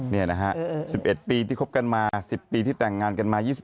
นี่นะฮะ๑๑ปีที่คบกันมา๑๐ปีที่แต่งงานกันมา